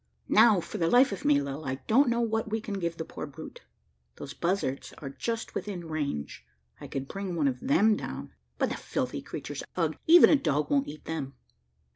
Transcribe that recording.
Now, for the life of me, Lil, I don't know what we can give the poor brute. Those buzzards are just within range. I could bring one of them down; but the filthy creatures, ugh! even a dog won't eat them."